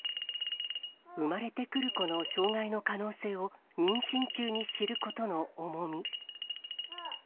産まれてくる子の障がいの可能性を妊娠中に知ることの重み。